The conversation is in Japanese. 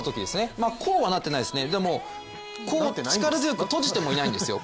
こうはなってないですね、でも力強く閉じてもいないんですよ。